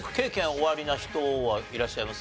おありな人はいらっしゃいます？